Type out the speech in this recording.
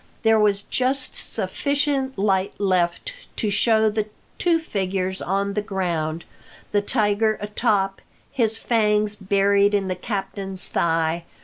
There was just sufficient light left to show the two figures on the ground the tiger atop, his fangs buried in the captains thigh.